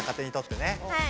はい。